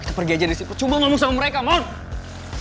kita pergi aja disini percobaan ngomong sama mereka mon